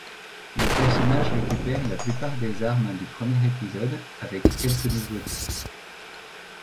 Le personnage récupère la plupart des armes du premier épisode avec quelques nouveautés.